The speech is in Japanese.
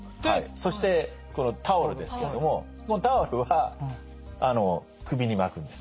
そしてこのタオルですけれどももうタオルは首に巻くんです。